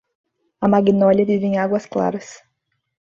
A Magnólia vive em Águas Claras.